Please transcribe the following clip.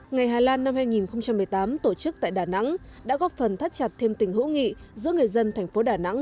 ngày hà lan năm hai nghìn một mươi tám tổ chức tại đà nẵng đã góp phần thắt chặt thêm tình hữu nghị giữa người dân thành phố đà nẵng